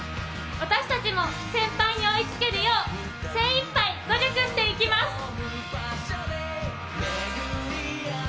私たちも先輩に追いつけるよう、精いっぱい努力していきます。